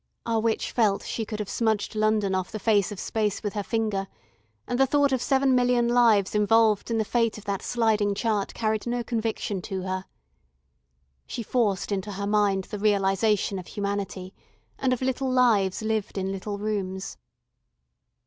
Our witch felt she could have smudged London off the face of space with her finger, and the thought of seven million lives involved in the fate of that sliding chart carried no conviction to her. She forced into her mind the realisation of humanity, and of little lives lived in little rooms.